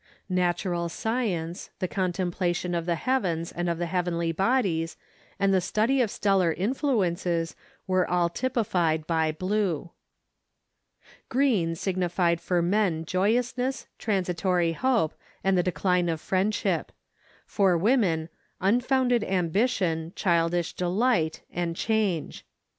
Natural science, the contemplation of the heavens and of the heavenly bodies, and the study of stellar influences were all typified by blue. Green signified for men joyousness, transitory hope, and the decline of friendship; for women, unfounded ambition, childish delight, and change.